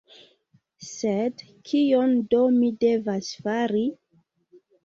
Sed kion do mi devas fari?